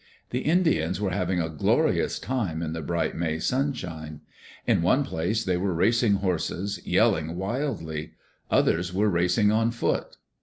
The Indians were having a glorious time in the bright May sunshine. In one place they were racing horses, yell ing wildly; others were racing on foot.